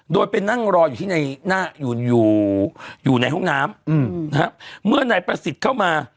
โดยไปนั่งรออยู่ที่ในหน้าอยู่อยู่ในห้องน้ำเมื่อนายประสิทธิ์เข้ามา